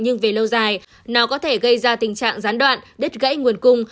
nhưng về lâu dài nó có thể gây ra tình trạng gián đoạn đứt gãy nguồn cung